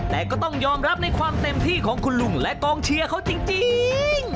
แต่ก็ต้องยอมรับในความเต็มที่ของคุณลุงและกองเชียร์เขาจริง